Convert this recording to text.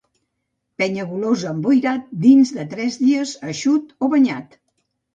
Penyagolosa emboirat, dins tres dies eixut o banyat.